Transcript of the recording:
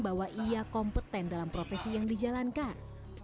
bahwa ia kompeten dalam profesi yang dijalankan